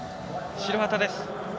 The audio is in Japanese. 白旗です。